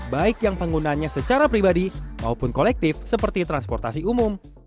baik yang penggunanya secara pribadi maupun kolektif seperti transportasi umum